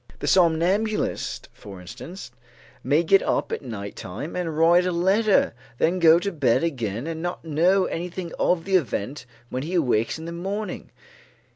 The somnanbulist, for instance, may get up at night time and write a letter, then go to bed again and not know anything of the event when he awakes in the morning.